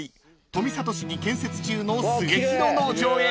富里市に建設中の末廣農場へ］